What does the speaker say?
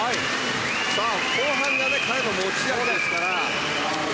後半が彼の持ち味ですから。